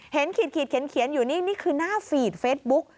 ขีดเขียนอยู่นี่นี่คือหน้าฟีดเฟซบุ๊ก